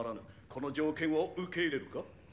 この条件を受け入れるか？